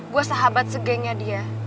gua sahabat segengnya dia